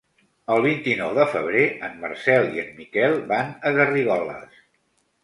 El vint-i-nou de febrer en Marcel i en Miquel van a Garrigoles.